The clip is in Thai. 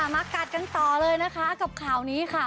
มากัดกันต่อเลยนะคะกับข่าวนี้ค่ะ